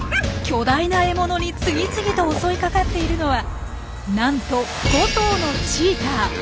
巨大な獲物に次々と襲いかかっているのはなんと５頭のチーター。